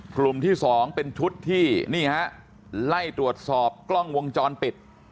กลุ่มที่๒เป็นชุดที่นี่ฮะไล่ตรวจสอบกล้องวงจรปิด